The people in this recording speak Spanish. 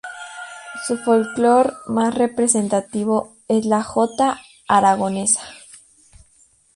Su folclore más representativo es la Jota Aragonesa.